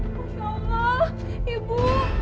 ya allah ibu